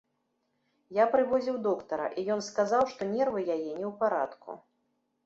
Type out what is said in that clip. Я прывозіў доктара, і ён сказаў, што нервы яе не ў парадку.